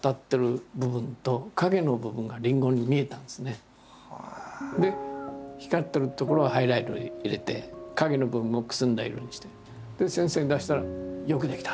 それであるときねふと光ってる所はハイライトを入れて影の部分をくすんだ色にしてで先生に出したら「よくできた！